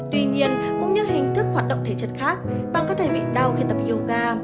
tuy nhiên cũng như hình thức hoạt động thể chất khác bằng có thể bị đau khi tập yoga